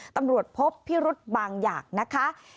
ตำรวจพบพิรุธบางอย่างนะคะ